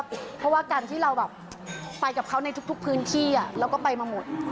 เพราะว่าการที่เราแบบไปกับเขาในทุกพื้นที่เราก็ไปมาหมด